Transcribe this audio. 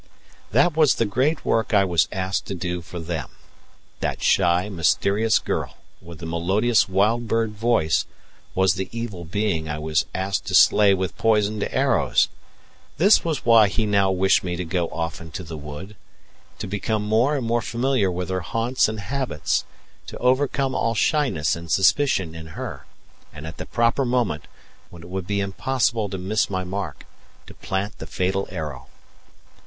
That was the great work I was asked to do for them that shy, mysterious girl with the melodious wild bird voice was the evil being I was asked to slay with poisoned arrows! This was why he now wished me to go often to the wood, to become more and more familiar with her haunts and habits, to overcome all shyness and suspicion in her; and at the proper moment, when it would be impossible to miss my mark, to plant the fatal arrow!